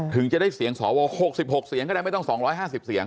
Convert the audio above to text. ถึงจะได้เสียงสว๖๖เสียงก็ได้ไม่ต้อง๒๕๐เสียง